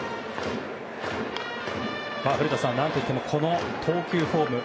古田さん、何といってもこの投球フォーム。